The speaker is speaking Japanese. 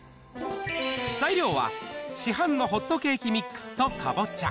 材料は市販のホットケーキミックスとかぼちゃ。